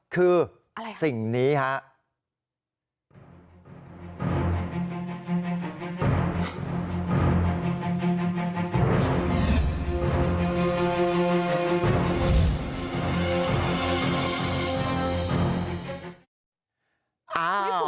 คือสิ่งนี้ฮะ